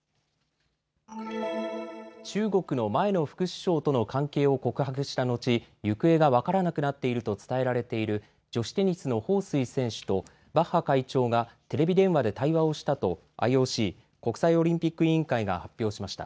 中国の前の副首相との関係を告白した後、行方が分からなくなっていると伝えられている女子テニスの彭帥選手とバッハ会長がテレビ電話で対話をしたとＩＯＣ・国際オリンピック委員会が発表しました。